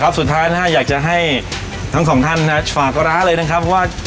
สุดท้ายอยากจะให้ทั้งสองท่านฝากร้านเลยนะครับว่า